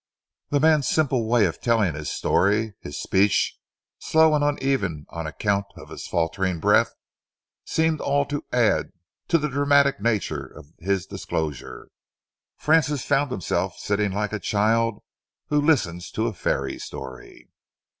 The man's simple way of telling his story, his speech, slow and uneven on account of his faltering breath, seemed all to add to the dramatic nature of his disclosure. Francis found himself sitting like a child who listens to a fairy story.